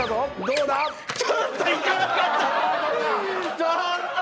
ちょっと！